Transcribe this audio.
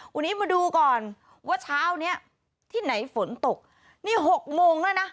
วันนี้มาดูก่อนว่าเช้านี้ที่ไหนฝนตกนี่๖โมงแล้วนะ